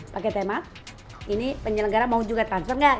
paket hemat ini penyelenggara mau juga transfer gak